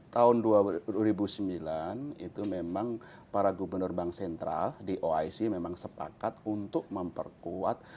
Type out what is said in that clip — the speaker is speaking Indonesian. tahun dua ribu sembilan itu memang para gubernur bank sentral di oic memang sepakat untuk memperkuat